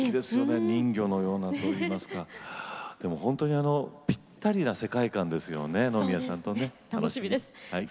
人魚のようなといいますかぴったりな世界感ですね